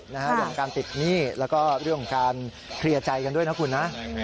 เรื่องของการติดหนี้แล้วก็เรื่องของการเคลียร์ใจกันด้วยนะคุณนะ